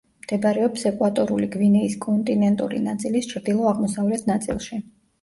მდებარეობს ეკვატორული გვინეის კონტინენტური ნაწილის ჩრდილო-აღმოსავლეთ ნაწილში.